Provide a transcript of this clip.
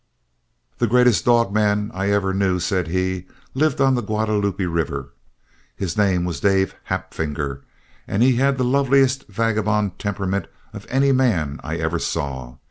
"The greatest dog man I ever knew," said he, "lived on the Guadalupe River. His name was Dave Hapfinger, and he had the loveliest vagabond temperament of any man I ever saw.